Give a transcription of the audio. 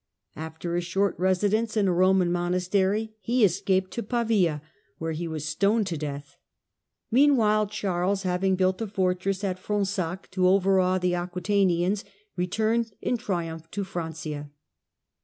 After a short residence n a Roman monastery, he escaped to Pavia, where he was stoned to death. Meanwhile Charles, having built fortress at Fronsac to overawe the Aquetanians, returned in triumph to Francia.